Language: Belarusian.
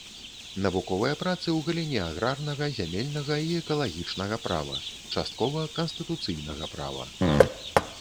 Навуковыя працы ў галіне аграрнага, зямельнага і экалагічнага права, часткова канстытуцыйнага права.